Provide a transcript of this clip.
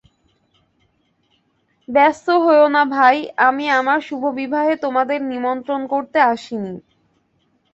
ব্যস্ত হোয়ো না ভাই, আমি আমার শুভবিবাহে তোমাদের নিমন্ত্রণ করতে আসি নি।